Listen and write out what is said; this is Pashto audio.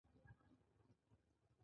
لاسونه يې کش کړل.